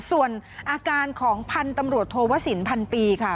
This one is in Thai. ส่วนอาการของพันธุ์ตำรวจโทวสินพันปีค่ะ